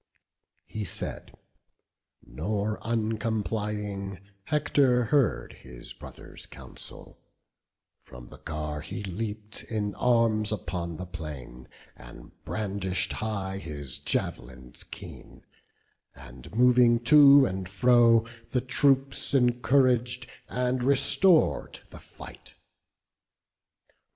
He said, nor uncomplying, Hector heard His brother's counsel; from his car he leap'd In arms upon the plain; and brandish'd high His jav'lins keen, and moving to and fro The troops encourag'd, and restor'd the fight.